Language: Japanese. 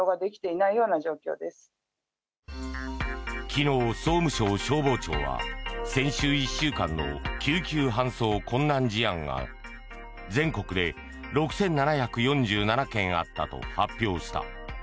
昨日、総務省消防庁は先週１週間の救急搬送困難事案が全国で６７４７件あったと発表した。